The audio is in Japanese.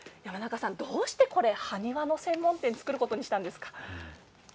どうして、これ埴輪の専門店を作ることにしたんですか？